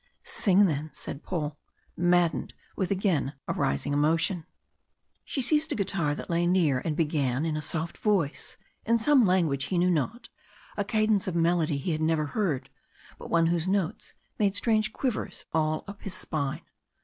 "Sing then!" said Paul, maddened with again arising emotion. She seized a guitar that lay near, and began in a soft voice in some language he knew not a cadence of melody he had never heard, but one whose notes made strange quivers all up his spine.